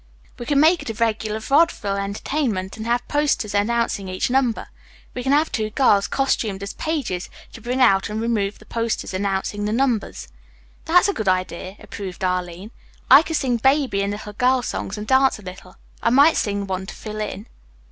"We can make it a regular vaudeville entertainment, and have posters announcing each number. We can have two girls, costumed as pages, to bring out and remove the posters announcing the numbers." "That's a good idea," approved Arline. "I can sing baby and little girl songs and dance a little. I might sing one to fill in."